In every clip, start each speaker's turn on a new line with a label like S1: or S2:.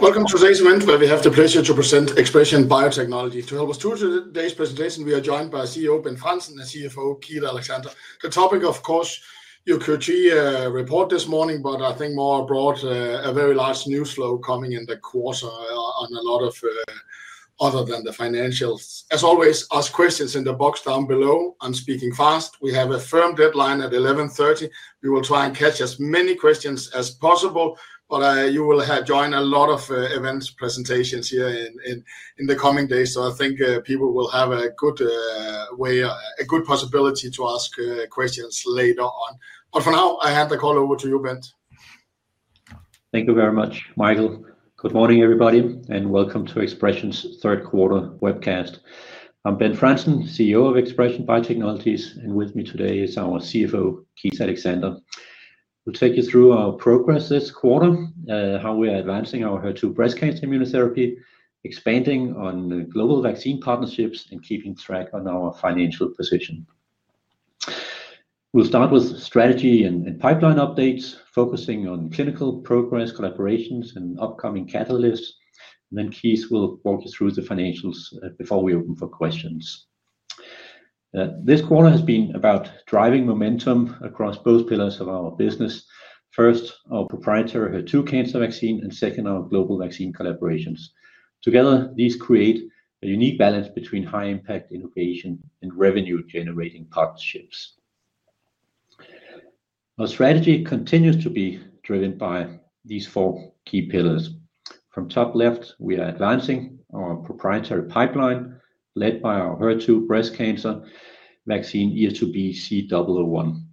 S1: Welcome to today's event, where we have the pleasure to present ExpreS2ion Biotechnologies. To help us through today's presentation, we are joined by CEO Bent Frandsen and CFO Keith Alexander. The topic, of course, your Q3 report this morning, but I think more broad, a very large news flow coming in the quarter on a lot of other than the financials. As always, ask questions in the box down below. I'm speaking fast. We have a firm deadline at 11:30 A.M. We will try and catch as many questions as possible, but you will join a lot of events, presentations here in the coming days. I think people will have a good way, a good possibility to ask questions later on. For now, I hand the call over to you, Bent.
S2: Thank you very much, Michael. Good morning, everybody, and welcome to ExpreS2ion's third quarter webcast. I'm Bent Frandsen, CEO of ExpreS2ion Biotechnologies, and with me today is our CFO, Keith Alexander. We'll take you through our progress this quarter, how we are advancing our HER2 breast cancer immunotherapy, expanding on global vaccine partnerships, and keeping track on our financial position. We'll start with strategy and pipeline updates, focusing on clinical progress, collaborations, and upcoming catalysts. Keith will walk you through the financials before we open for questions. This quarter has been about driving momentum across both pillars of our business. First, our proprietary HER2 cancer vaccine, and second, our global vaccine collaborations. Together, these create a unique balance between high-impact innovation and revenue-generating partnerships. Our strategy continues to be driven by these four key pillars. From top left, we are advancing our proprietary pipeline led by our HER2 breast cancer vaccine, ES2B-C001.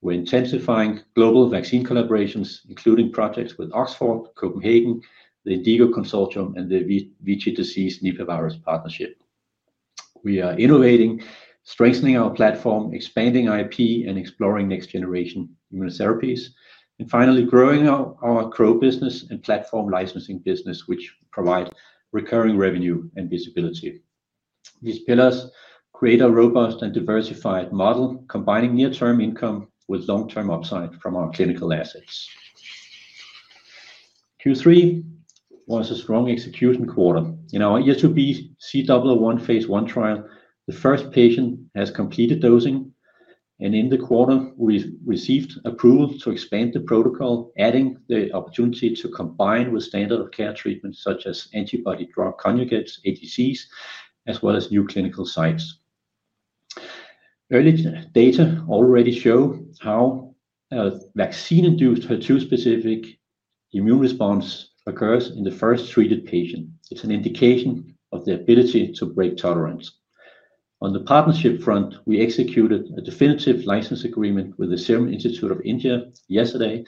S2: We're intensifying global vaccine collaborations, including projects with Oxford, Copenhagen, the INDIGO Consortium, and the VICI-Disease Nipah Virus Partnership. We are innovating, strengthening our platform, expanding IP, and exploring next-generation immunotherapies, and finally growing our CRO business and platform licensing business, which provide recurring revenue and visibility. These pillars create a robust and diversified model, combining near-term income with long-term upside from our clinical assets. Q3 was a strong execution quarter. In our ES2B-C001 phase I trial, the first patient has completed dosing, and in the quarter, we received approval to expand the protocol, adding the opportunity to combine with standard of care treatments such as antibody-drug conjugates, ADCs, as well as new clinical sites. Early data already show how vaccine-induced HER2-specific immune response occurs in the first treated patient. It's an indication of the ability to break tolerance. On the partnership front, we executed a definitive license agreement with the Serum Institute of India yesterday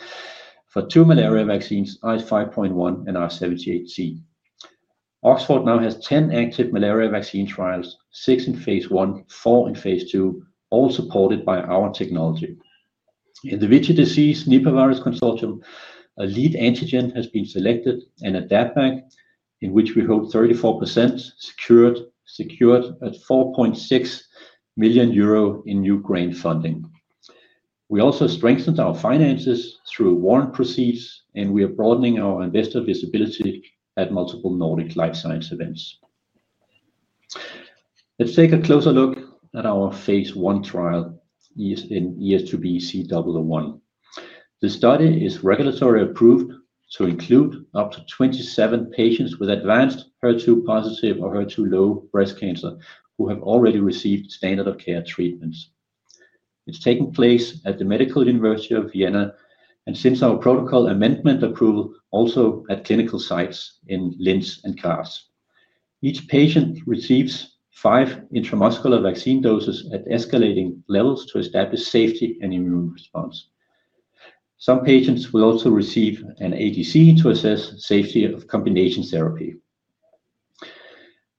S2: for two malaria vaccines, RH5.1 and R78C. Oxford now has 10 active malaria vaccine trials, six in phase I, four in phase II, all supported by our technology. In the VICI-Disease Nipah Virus Consortium, a lead antigen has been selected and a databank in which we hope 34% secured at 4.6 million euro in new grant funding. We also strengthened our finances through warrant proceeds, and we are broadening our investor visibility at multiple Nordic Life Science Event. Let's take a closer look at our phase I trial in ES2B-C001. The study is regulatory approved to include up to 27 patients with advanced HER2+ or HER2 low breast cancer who have already received standard of care treatments. It's taking place at the Medical University of Vienna, and since our protocol amendment approval, also at clinical sites in Linz and Klagenfurt. Each patient receives five intramuscular vaccine doses at escalating levels to establish safety and immune response. Some patients will also receive an ADC to assess safety of combination therapy.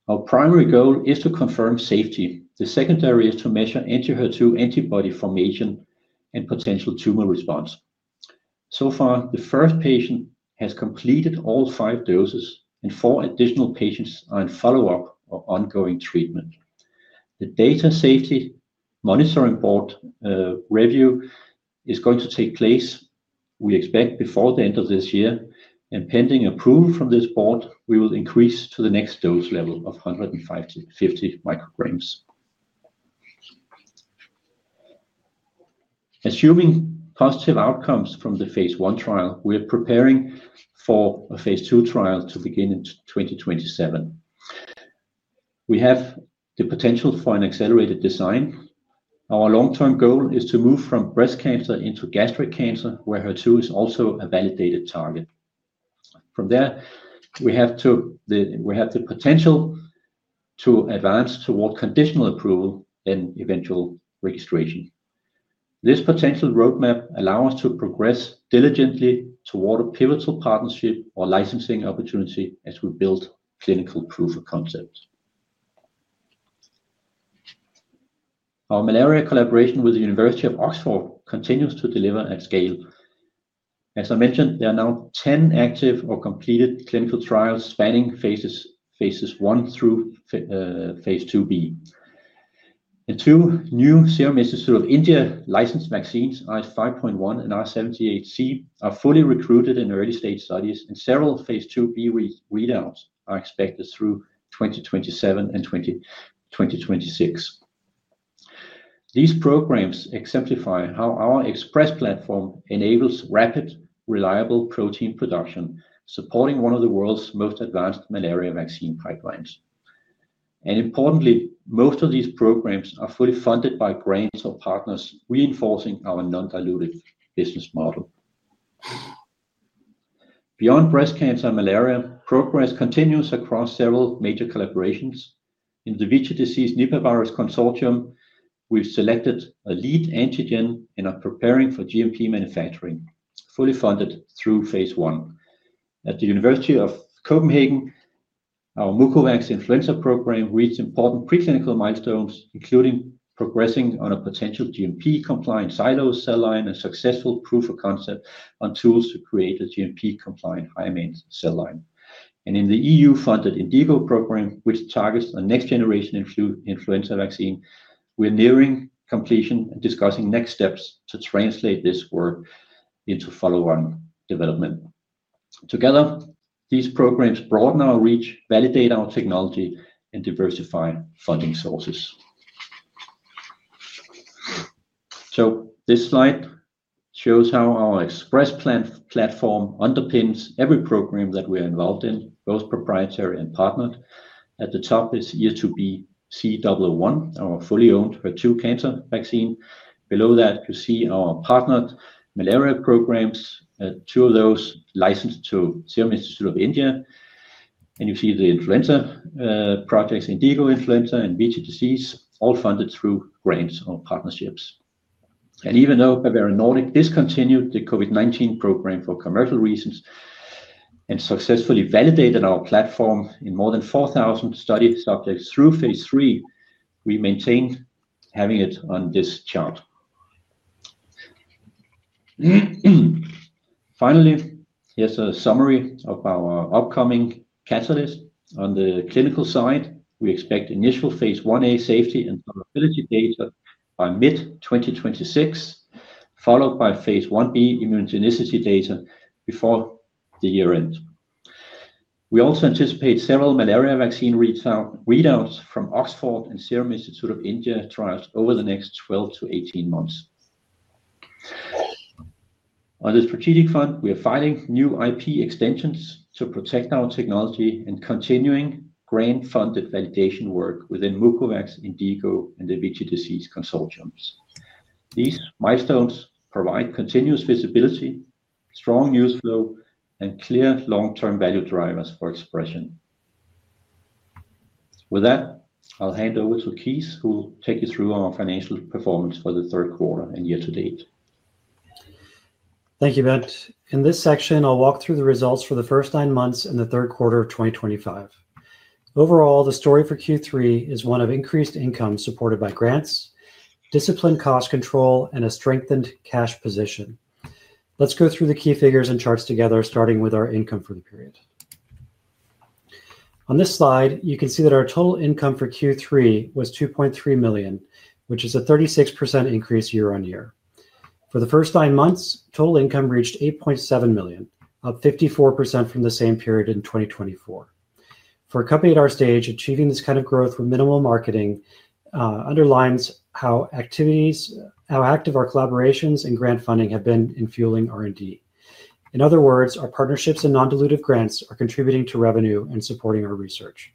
S2: Our primary goal is to confirm safety. The secondary is to measure anti-HER2 antibody formation and potential tumor response. So far, the first patient has completed all five doses, and four additional patients are in follow-up or ongoing treatment. The data safety monitoring board review is going to take place, we expect, before the end of this year, and pending approval from this board, we will increase to the next dose level of 150 µg. Assuming positive outcomes from the phase I trial, we're preparing for a phase II trial to begin in 2027. We have the potential for an accelerated design. Our long-term goal is to move from breast cancer into gastric cancer, where HER2 is also a validated target. From there, we have the potential to advance toward conditional approval and eventual registration. This potential roadmap allows us to progress diligently toward a pivotal partnership or licensing opportunity as we build clinical proof of concept. Our malaria collaboration with the University of Oxford continues to deliver at scale. As I mentioned, there are now 10 active or completed clinical trials spanning phases I through phase II-B. Two new Serum Institute of India licensed vaccines, RH5.1 and R78C, are fully recruited in early stage studies, and several phase II-B readouts are expected through 2027 and 2026. These programs exemplify how our ExpreS2 platform enables rapid, reliable protein production, supporting one of the world's most advanced malaria vaccine pipelines. Importantly, most of these programs are fully funded by grants or partners, reinforcing our non-dilutive business model. Beyond breast cancer and malaria, progress continues across several major collaborations. In the VICI-Disease Nipah Virus Consortium, we've selected a lead antigen and are preparing for GMP manufacturing, fully funded through phase I. At the University of Copenhagen, our Mucovax influenza program reached important preclinical milestones, including progressing on a potential GMP-compliant silos cell line and successful proof of concept on tools to create a GMP-compliant high-maintenance cell line. In the E.U.-funded INDIGO program, which targets the next-generation influenza vaccine, we're nearing completion and discussing next steps to translate this work into follow-on development. Together, these programs broaden our reach, validate our technology, and diversify funding sources. This slide shows how our ExpreS2 platform underpins every program that we are involved in, both proprietary and partnered. At the top is ES2B-C001, our fully owned HER2 cancer vaccine. Below that, you see our partnered malaria programs, two of those licensed to Serum Institute of India. You see the influenza projects, INDIGO influenza and VICI-Disease, all funded through grants or partnerships. Even though Bavarian Nordic discontinued the COVID-19 program for commercial reasons and successfully validated our platform in more than 4,000 study subjects through phase III, we maintain having it on this chart. Finally, here is a summary of our upcoming catalyst. On the clinical side, we expect initial phase I-A safety and probability data by mid-2026, followed by phase I-B immunogenicity data before the year end. We also anticipate several malaria vaccine readouts from Oxford and Serum Institute of India trials over the next 12-18 months. On the strategic front, we are filing new IP extensions to protect our technology and continuing grant-funded validation work within Mucovax, INDIGO, and the VICI-Disease Consortiums. These milestones provide continuous visibility, strong news flow, and clear long-term value drivers for ExpreS2ion. With that, I'll hand over to Keith, who will take you through our financial performance for the third quarter and year to date.
S3: Thank you, Bent. In this section, I'll walk through the results for the first nine months in the third quarter of 2025. Overall, the story for Q3 is one of increased income supported by grants, disciplined cost control, and a strengthened cash position. Let's go through the key figures and charts together, starting with our income for the period. On this slide, you can see that our total income for Q3 was 2.3 million, which is a 36% increase year on year. For the first nine months, total income reached 8.7 million, up 54% from the same period in 2024. For a company at our stage, achieving this kind of growth with minimal marketing underlines how active our collaborations and grant funding have been in fueling R&D. In other words, our partnerships and non-dilutive grants are contributing to revenue and supporting our research.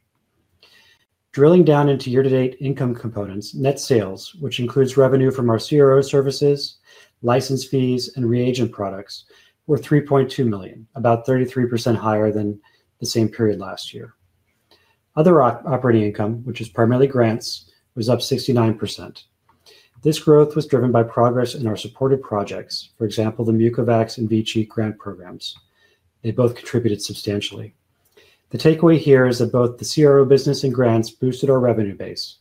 S3: Drilling down into year-to-date income components, net sales, which includes revenue from our CRO services, license fees, and reagent products, were 3.2 million, about 33% higher than the same period last year. Other operating income, which is primarily grants, was up 69%. This growth was driven by progress in our supported projects, for example, the Mucovax and VICI-grant programs. They both contributed substantially. The takeaway here is that both the CRO business and grants boosted our revenue base.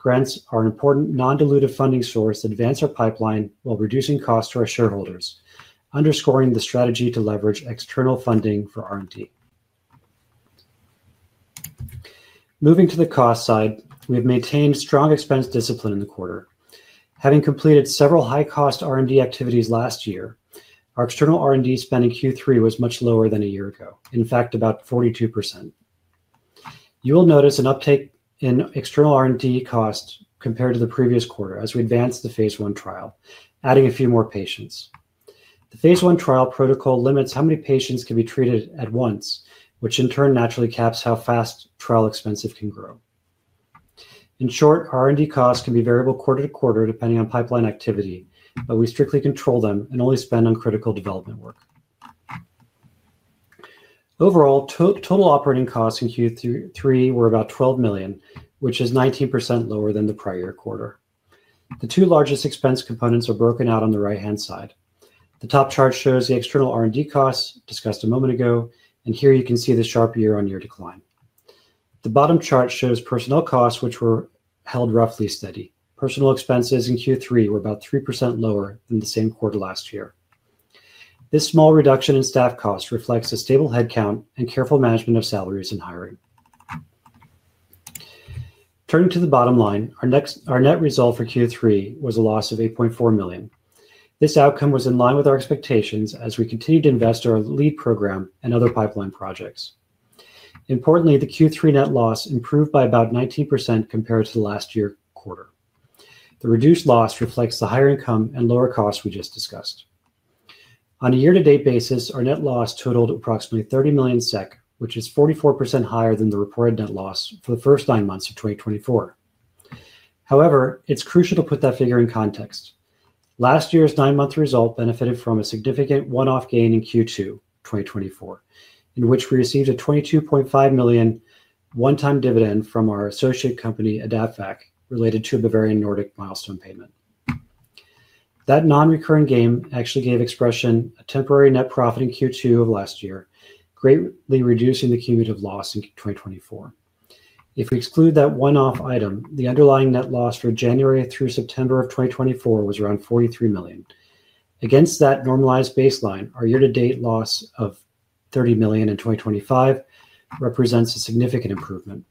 S3: Grants are an important non-dilutive funding source that advance our pipeline while reducing costs to our shareholders, underscoring the strategy to leverage external funding for R&D. Moving to the cost side, we've maintained strong expense discipline in the quarter. Having completed several high-cost R&D activities last year, our external R&D spending Q3 was much lower than a year ago, in fact, about 42%. You will notice an uptake in external R&D costs compared to the previous quarter as we advance the phase I trial, adding a few more patients. The phase I trial protocol limits how many patients can be treated at once, which in turn naturally caps how fast trial expenses can grow. In short, R&D costs can be variable quarter to quarter depending on pipeline activity, but we strictly control them and only spend on critical development work. Overall, total operating costs in Q3 were about 12 million, which is 19% lower than the prior quarter. The two largest expense components are broken out on the right-hand side. The top chart shows the external R&D costs discussed a moment ago, and here you can see the sharp year-on-year decline. The bottom chart shows personnel costs, which were held roughly steady. Personnel expenses in Q3 were about 3% lower than the same quarter last year. This small reduction in staff costs reflects a stable headcount and careful management of salaries and hiring. Turning to the bottom line, our net result for Q3 was a loss of 8.4 million. This outcome was in line with our expectations as we continued to invest in our lead program and other pipeline projects. Importantly, the Q3 net loss improved by about 19% compared to the last year quarter. The reduced loss reflects the higher income and lower costs we just discussed. On a year-to-date basis, our net loss totaled approximately 30 million SEK, which is 44% higher than the reported net loss for the first nine months of 2024. However, it's crucial to put that figure in context. Last year's nine-month result benefited from a significant one-off gain in Q2 2024, in which we received a 22.5 million one-time dividend from our associate company, AdaptVac, related to a Bavarian Nordic milestone payment. That non-recurring gain actually gave ExpreS2ion a temporary net profit in Q2 of last year, greatly reducing the cumulative loss in 2024. If we exclude that one-off item, the underlying net loss for January through September of 2024 was around 43 million. Against that normalized baseline, our year-to-date loss of 30 million in 2025 represents a significant improvement.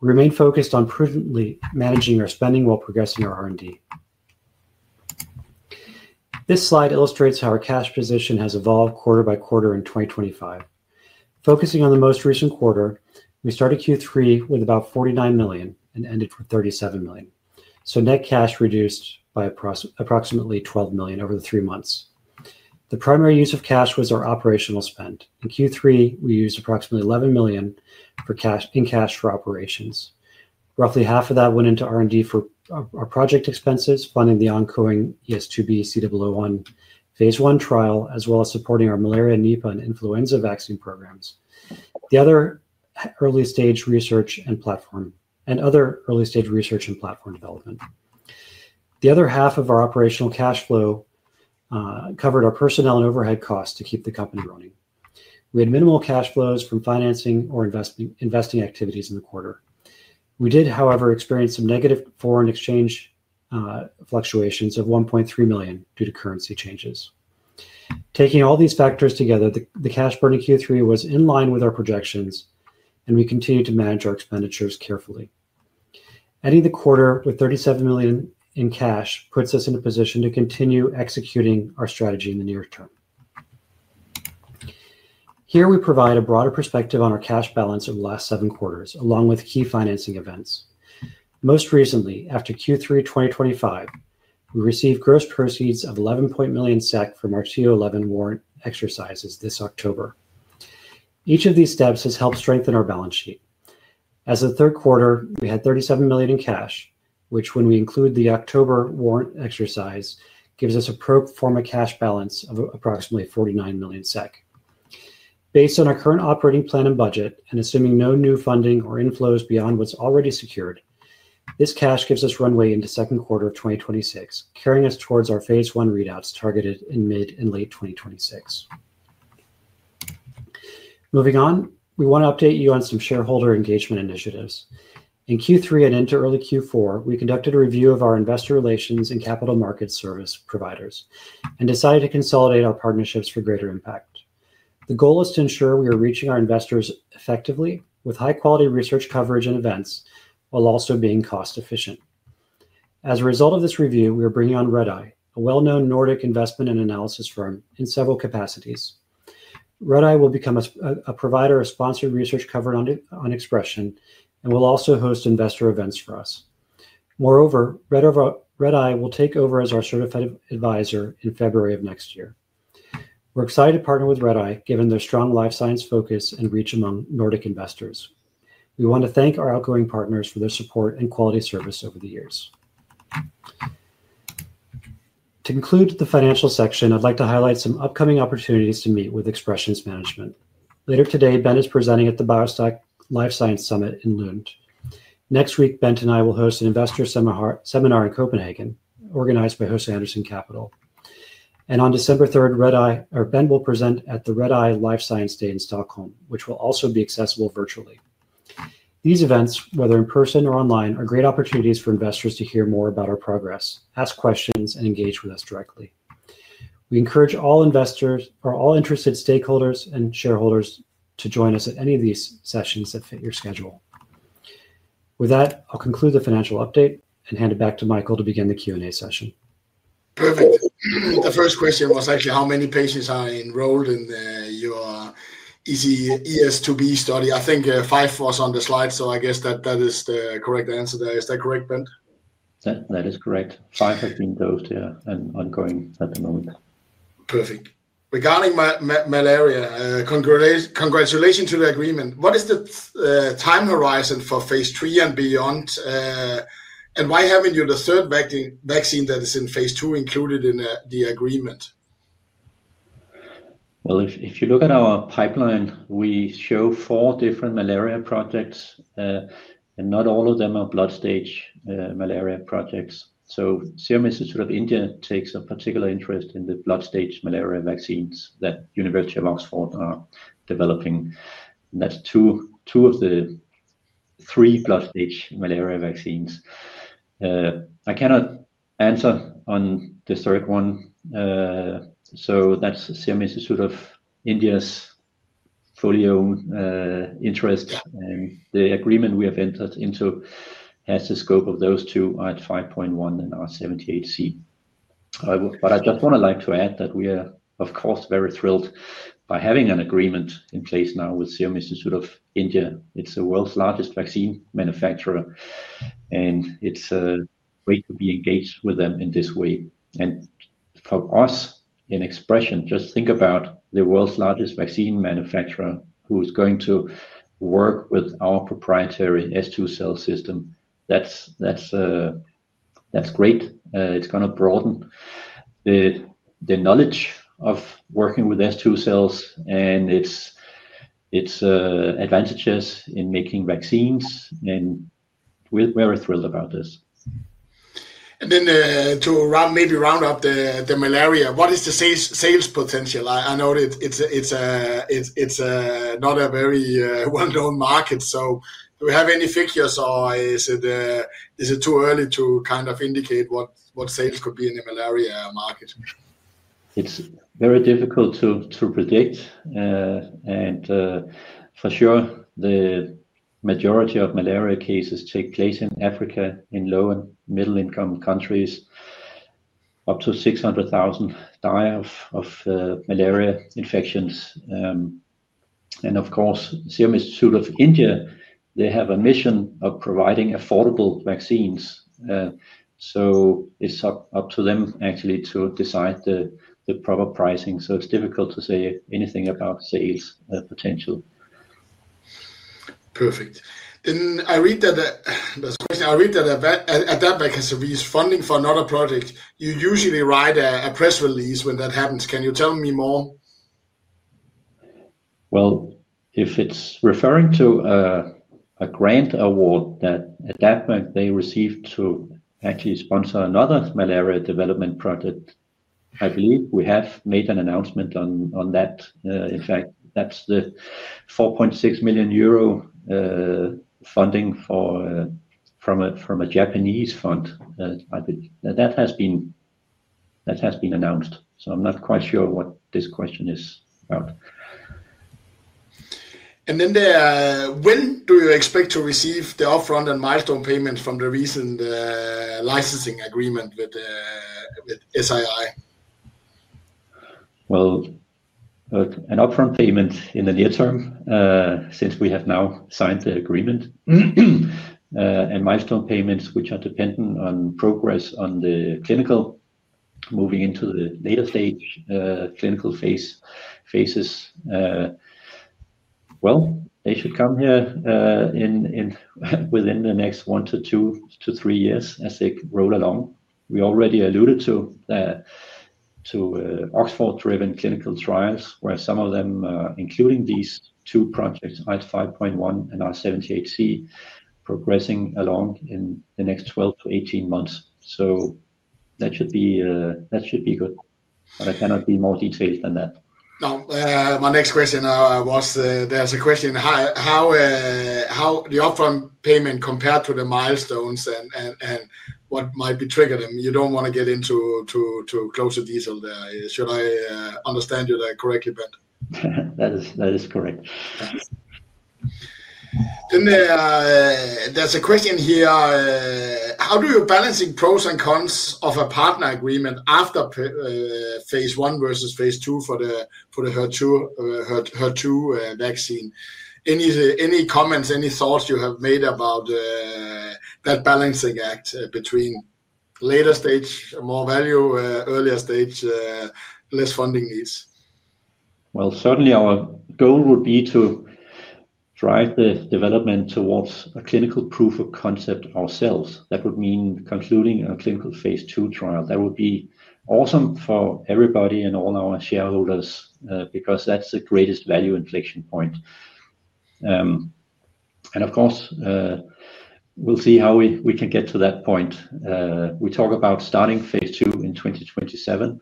S3: We remain focused on prudently managing our spending while progressing our R&D. This slide illustrates how our cash position has evolved quarter by quarter in 2025. Focusing on the most recent quarter, we started Q3 with about 49 million and ended with 37 million. Net cash reduced by approximately 12 million over the three months. The primary use of cash was our operational spend. In Q3, we used approximately 11 million in cash for operations. Roughly half of that went into R&D for our project expenses, funding the ongoing ES2B-C001 phase I trial, as well as supporting our malaria, Nipah, and influenza vaccine programs, the other early-stage research and platform, and other early-stage research and platform development. The other half of our operational cash flow covered our personnel and overhead costs to keep the company running. We had minimal cash flows from financing or investing activities in the quarter. We did, however, experience some negative foreign exchange fluctuations of 1.3 million due to currency changes. Taking all these factors together, the cash burn in Q3 was in line with our projections, and we continued to manage our expenditures carefully. Ending the quarter with 37 million in cash puts us in a position to continue executing our strategy in the near term. Here we provide a broader perspective on our cash balance over the last seven quarters, along with key financing events. Most recently, after Q3 2025, we received gross proceeds of 11.1 million SEK from our TO 11 warrant exercises this October. Each of these steps has helped strengthen our balance sheet. As the third quarter, we had 37 million in cash, which, when we include the October warrant exercise, gives us a pro forma cash balance of approximately 49 million SEK. Based on our current operating plan and budget, and assuming no new funding or inflows beyond what's already secured, this cash gives us runway into second quarter of 2026, carrying us towards our phase I readouts targeted in mid and late 2026. Moving on, we want to update you on some shareholder engagement initiatives. In Q3 and into early Q4, we conducted a review of our investor relations and capital markets service providers and decided to consolidate our partnerships for greater impact. The goal is to ensure we are reaching our investors effectively with high-quality research coverage and events while also being cost-efficient. As a result of this review, we are bringing on Redeye, a well-known Nordic investment and analysis firm in several capacities. Redeye will become a provider of sponsored research covered on ExpreS2ion and will also host investor events for us. Moreover, Redeye will take over as our certified advisor in February of next year. We're excited to partner with Redeye given their strong life science focus and reach among Nordic investors. We want to thank our outgoing partners for their support and quality service over the years. To conclude the financial section, I'd like to highlight some upcoming opportunities to meet with ExpreS2ion's management. Later today, Bent is presenting at the BioStock Life Science Summit in Lund. Next week, Bent and I will host an investor seminar in Copenhagen organized by HC Andersen Capital. On December 3rd, Bent will present at the Redeye Life Science Day in Stockholm, which will also be accessible virtually. These events, whether in person or online, are great opportunities for investors to hear more about our progress, ask questions, and engage with us directly. We encourage all investors or all interested stakeholders and shareholders to join us at any of these sessions that fit your schedule. With that, I'll conclude the financial update and hand it back to Michael to begin the Q&A session.
S1: Perfect. The first question was actually how many patients are enrolled in your ES2B study? I think five was on the slide, so I guess that is the correct answer there. Is that correct, Bent?
S2: That is correct. Five have been those there and ongoing at the moment.
S1: Perfect. Regarding malaria, congratulations to the agreement. What is the time horizon for phase III and beyond? Why haven't you the third vaccine that is in phase II included in the agreement?
S2: If you look at our pipeline, we show four different malaria projects, and not all of them are blood-stage malaria projects. Serum Institute of India takes a particular interest in the blood-stage malaria vaccines that the University of Oxford are developing. That's two of the three blood-stage malaria vaccines. I cannot answer on the third one. Serum Institute of India's fully owned interest, and the agreement we have entered into has the scope of those two at RH5.1 and R78C. I just want to add that we are, of course, very thrilled by having an agreement in place now with Serum Institute of India. It's the world's largest vaccine manufacturer, and it's great to be engaged with them in this way. For us in ExpreS2ion, just think about the world's largest vaccine manufacturer who is going to work with our proprietary S2 cell system. That's great. It's going to broaden the knowledge of working with S2 cells and its advantages in making vaccines, and we're very thrilled about this.
S1: To maybe round up the malaria, what is the sales potential? I know it's not a very well-known market. Do we have any figures, or is it too early to kind of indicate what sales could be in the malaria market?
S2: It's very difficult to predict. For sure, the majority of malaria cases take place in Africa, in low and middle-income countries, up to 600,000 die of malaria infections. Of course, Serum Institute of India, they have a mission of providing affordable vaccines. It's up to them actually to decide the proper pricing. It's difficult to say anything about sales potential.
S1: Perfect. I read that there's a question. I read that AdaptVac has raised funding for another project. You usually write a press release when that happens. Can you tell me more?
S2: If it's referring to a grant award that AdaptVac, they received to actually sponsor another malaria development project, I believe we have made an announcement on that. In fact, that's the 4.6 million euro funding from a Japanese fund. That has been announced. I'm not quite sure what this question is about.
S1: When do you expect to receive the upfront and milestone payments from the recent licensing agreement with SII?
S2: An upfront payment in the near term since we have now signed the agreement and milestone payments, which are dependent on progress on the clinical, moving into the later stage clinical phases. They should come here within the next one to two to three years as they roll along. We already alluded to Oxford-driven clinical trials, where some of them, including these two projects, RH5.1 and R78C, progressing along in the next 12-18 months. That should be good. I cannot be more detailed than that.
S1: Now, my next question was there's a question, how the upfront payment compared to the milestones and what might be triggered? You don't want to get into too close a detail there. Should I understand you that correctly, Bent?
S2: That is correct.
S1: There is a question here. How do you balance the pros and cons of a partner agreement after phase I versus phase II for the HER2 vaccine? Any comments, any thoughts you have made about that balancing act between later stage, more value, earlier stage, less funding needs?
S2: Certainly our goal would be to drive the development towards a clinical proof of concept ourselves. That would mean concluding a clinical phase II trial. That would be awesome for everybody and all our shareholders because that's the greatest value inflection point. Of course, we'll see how we can get to that point. We talk about starting phase II in 2027.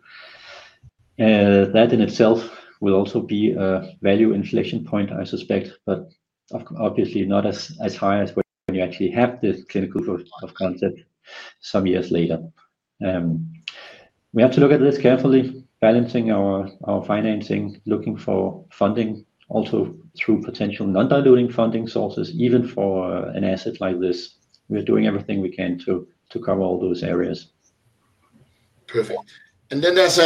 S2: That in itself will also be a value inflection point, I suspect, but obviously not as high as when you actually have the clinical proof of concept some years later. We have to look at this carefully, balancing our financing, looking for funding also through potential non-dilution funding sources, even for an asset like this. We are doing everything we can to cover all those areas.
S1: Perfect. Does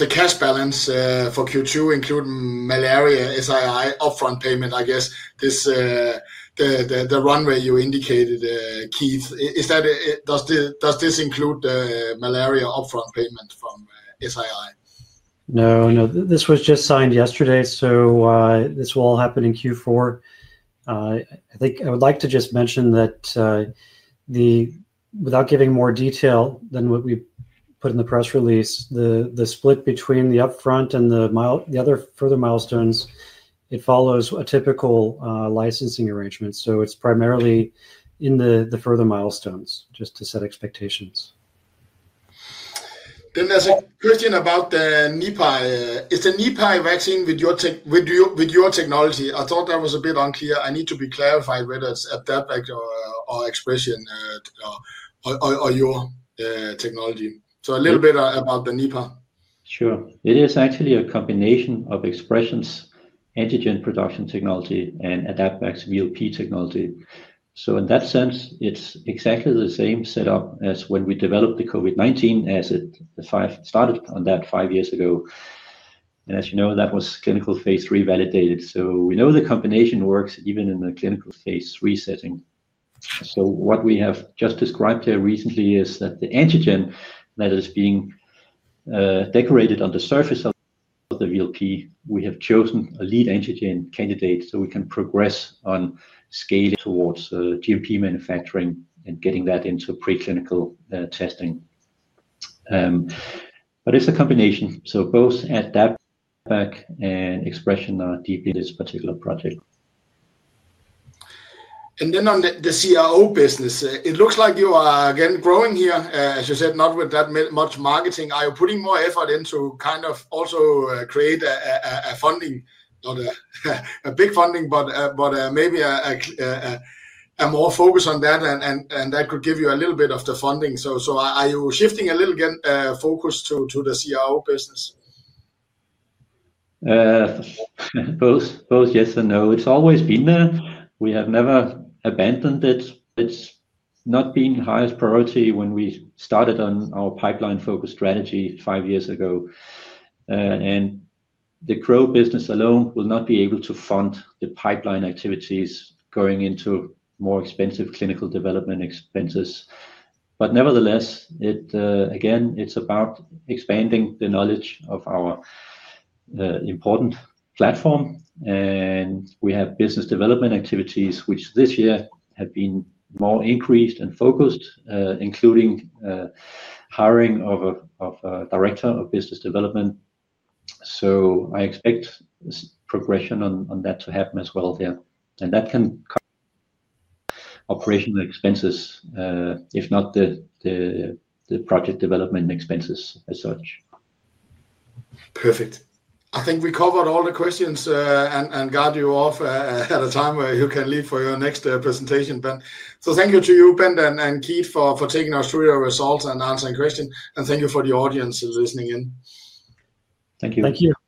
S1: the cash balance for Q2 include malaria SII upfront payment? I guess the runway you indicated, Keith, does this include the malaria upfront payment from SII?
S3: No, no. This was just signed yesterday, so this will all happen in Q4. I think I would like to just mention that without giving more detail than what we put in the press release, the split between the upfront and the other further milestones, it follows a typical licensing arrangement. So it's primarily in the further milestones just to set expectations.
S1: There is a question about the Nipah. Is the Nipah vaccine with your technology? I thought that was a bit unclear. I need to be clarified whether it is AdaptVac or ExpreS2ion or your technology. A little bit about the Nipah.
S2: Sure. It is actually a combination of ExpreS2ion's antigen production technology and AdaptVac's VLP technology. In that sense, it's exactly the same setup as when we developed the COVID-19 as it started on that five years ago. As you know, that was clinical phase II validated. We know the combination works even in the clinical phase III setting. What we have just described here recently is that the antigen that is being decorated on the surface of the VLP, we have chosen a lead antigen candidate so we can progress on scaling towards GMP manufacturing and getting that into preclinical testing. It's a combination. Both AdaptVac and ExpreS2ion are deep in this particular project.
S1: On the CRO business, it looks like you are again growing here, as you said, not with that much marketing. Are you putting more effort into kind of also create a funding, not a big funding, but maybe a more focus on that, and that could give you a little bit of the funding? Are you shifting a little focus to the CRO business?
S2: Both yes and no. It's always been there. We have never abandoned it. It's not been highest priority when we started on our pipeline-focused strategy five years ago. The CRO business alone will not be able to fund the pipeline activities going into more expensive clinical development expenses. Nevertheless, again, it's about expanding the knowledge of our important platform. We have business development activities, which this year have been more increased and focused, including hiring of a director of business development. I expect progression on that to happen as well here. That can cover operational expenses, if not the project development expenses as such.
S1: Perfect. I think we covered all the questions and got you off at a time where you can leave for your next presentation, Bent. Thank you to you, Bent and Keith, for taking us through your results and answering questions. Thank you for the audience listening in.
S2: Thank you.
S3: Thank you.